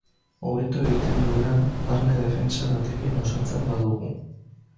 Hobeto egiten du lan barne defentsa batekin osatzen badugu.